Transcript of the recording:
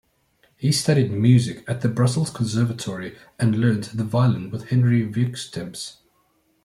He studied music at the Brussels Conservatoire and learnt the violin with Henri Vieuxtemps.